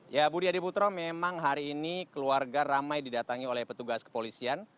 ya budi adiputro memang hari ini keluarga ramai didatangi oleh petugas kepolisian